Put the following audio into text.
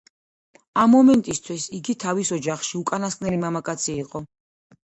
ამ მომენტისათვის, იგი თავის ოჯახში უკანასკნელი მამაკაცი იყო.